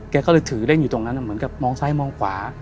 แกก็เลยถือเล่นอยู่ตรงนั้นเหมือนกับมองซ้ายมองขวา